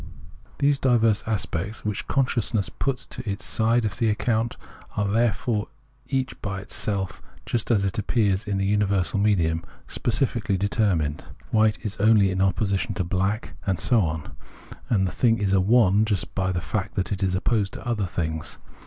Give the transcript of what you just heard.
These diverse aspects, which consciousness puts to its side of the account, are, however, each by itself just as it appears in the universal medium, specifically determined. White is only in opposition to black, and so on, and the thing is a " one " just by the fact that it is opposed to other things.